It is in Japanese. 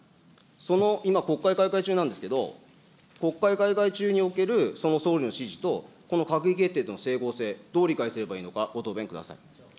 その今、国会開会中なんですけど、国会開会中における、その総理の指示と、この閣議決定との整合性、どう理解すればいいのかご答弁ください。